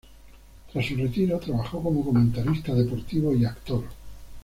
Tras su retiro trabajó como comentarista deportivo y actor.